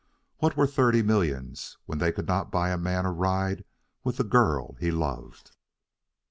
What were thirty millions when they could not buy a man a ride with the girl he loved?